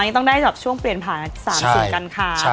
อ๋อต้องได้ช่วงเปลี่ยนผ่าน๓สินกันค่ะ